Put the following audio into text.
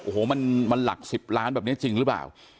โอ้โหมันหลัก๑๐ล้านแบบนี้จริงหรือเปล่า